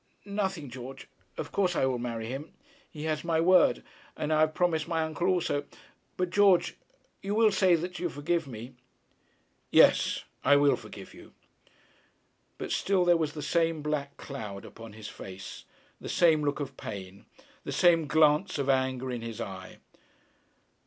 'Nothing, George. Of course I will marry him. He has my word. And I have promised my uncle also. But, George, you will say that you forgive me?' 'Yes; I will forgive you.' But still there was the same black cloud upon his face, the same look of pain, the same glance of anger in his eye.